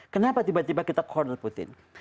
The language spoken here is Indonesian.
kenapa tiba tiba kita corner putin